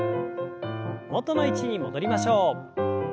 元の位置に戻りましょう。